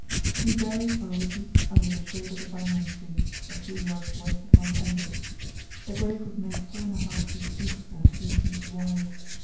We buried Baruti under the shade of the banyan tree, a few yards west of my tembe. The grave was made four and a half feet deep and three feet wide.